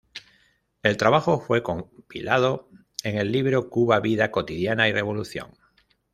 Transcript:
El trabajo fue compilado en el libro "Cuba, vida cotidiana y revolución".